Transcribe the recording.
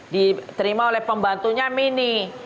diterima oleh pembantunya mini